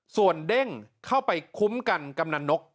ส่วนเด้งเข้าไปคุ้มกันกำนันนก